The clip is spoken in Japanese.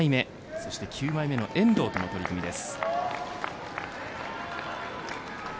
そして９枚目の遠藤との取組です。